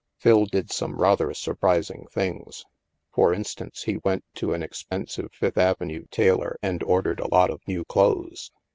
Phil did some rather surprising things. For in stance, he went to an expensive Fifth Avenue tailor and ordered a lot of new clothes.